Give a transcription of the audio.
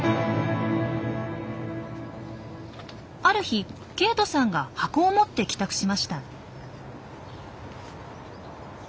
ある日ケイトさんが箱を持って帰宅しました。